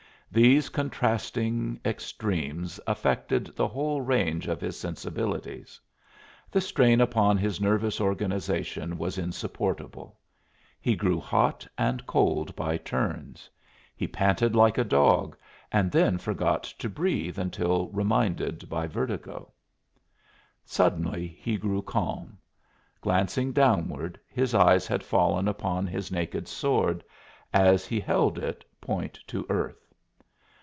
These contrasting extremes affected the whole range of his sensibilities. The strain upon his nervous organization was insupportable. He grew hot and cold by turns. He panted like a dog, and then forgot to breathe until reminded by vertigo. Suddenly he grew calm. Glancing downward, his eyes had fallen upon his naked sword, as he held it, point to earth.